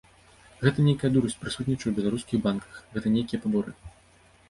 Гэта нейкая дурасць прысутнічае ў беларускіх банках, гэта нейкія паборы!